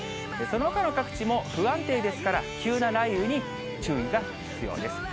そのほかの各地も不安定ですから、急な雷雨に注意が必要です。